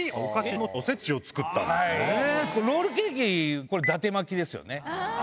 ロールケーキだて巻きですよね。